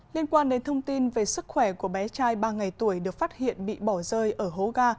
liên quan đến thông tin về sức khỏe của bé trai ba ngày tuổi được phát hiện bị bỏ rơi ở hố ga